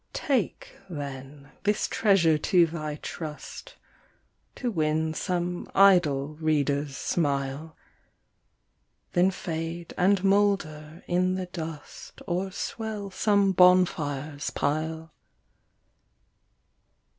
Take, then, this treasure to thy trust, To win some idle reader's smile, Then fade and moulder in the dust, Or swell some bonfire's pile.